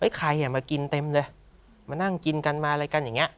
ใครมากินเต็มเลยมานั่งกินกันมาอะไรกันอย่างนี้